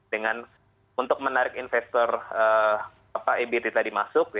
dengan untuk menarik investor ebt tadi masuk